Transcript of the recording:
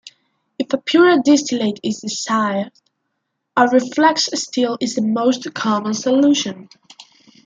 If a purer distillate is desired, a reflux still is the most common solution.